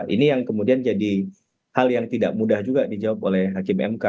ini yang kemudian jadi hal yang tidak mudah juga dijawab oleh hakim mk